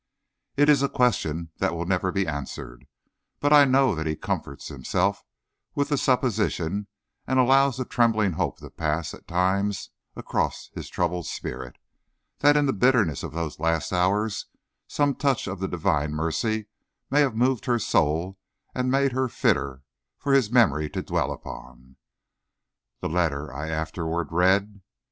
It is a question that will never be answered, but I know that he comforts himself with the supposition, and allows the trembling hope to pass, at times, across his troubled spirit, that in the bitterness of those last hours some touch of the divine mercy may have moved her soul and made her fitter for his memory to dwell upon. The letter I afterward read.